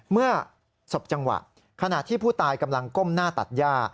ศพจังหวะขณะที่ผู้ตายกำลังก้มหน้าตัดย่า